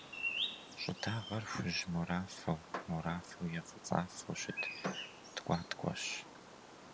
ЩӀыдагъэр — хужь-морафэу, морафэу е фӀыцӀафэу щыт ткӀуаткӀуэщ.